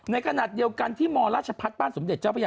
ในขณะเดียวกันที่มราชพัฒน์บ้านสมเด็จเจ้าพระยา